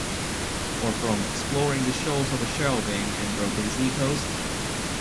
Or from exploring the Shoals of a shelving and broken Sea Coast?